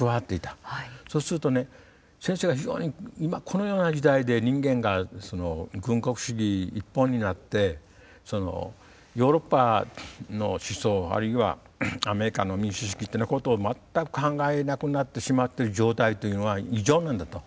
そうするとね先生は非常に今このような時代で人間が軍国主義一本になってヨーロッパの思想あるいはアメリカの民主主義っていうようなことを全く考えなくなってしまっている状態というのは異常なんだと。